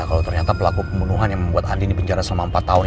kalau ternyata pelaku pembunuhan yang membuat andi dipenjara selama empat tahun